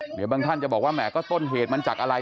เดี๋ยวบางท่านจะบอกว่าแหมก็ต้นเหตุมันจากอะไร